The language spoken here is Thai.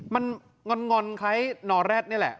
มันงอนคล้ายนอแร็ดนี่แหละ